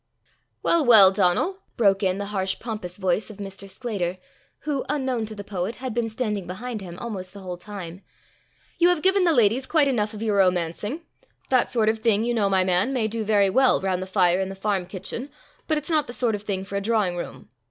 "Well, well, Donal!" broke in the harsh pompous voice of Mr. Sclater, who, unknown to the poet, had been standing behind him almost the whole time, "you have given the ladies quite enough of your romancing. That sort of thing, you know, my man, may do very well round the fire in the farm kitchen, but it's not the sort of thing for a drawing room.